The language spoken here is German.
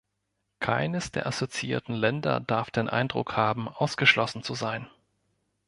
Keines der assoziierten Länder darf den Eindruck haben, ausgeschlossen zu sein.